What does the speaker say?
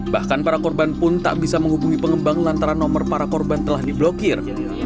bahkan para korban pun tak bisa menghubungi pengembang lantaran nomor para korban telah diblokir